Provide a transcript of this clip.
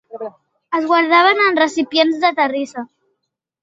Es guardaven en recipients de terrissa.